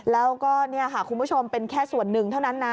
แล้วก็นี่ค่ะคุณผู้ชมเป็นแค่ส่วนหนึ่งเท่านั้นนะ